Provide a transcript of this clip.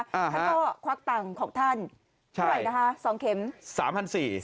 แล้วก็ควักตังของท่านเท่าไหร่นะฮะ๒เข็ม๓๔๐๐บาท